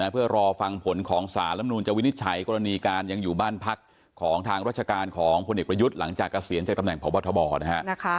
เพื่อรอฟังผลของสารลำนูนจะวินิจฉัยกรณีการยังอยู่บ้านพักของทางราชการของพลเอกประยุทธ์หลังจากเกษียณจากตำแหน่งพบทบนะฮะ